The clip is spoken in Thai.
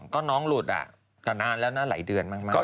ก็น้องหลุดก็นานแล้วนะหลายเดือนมาก